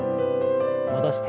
戻して。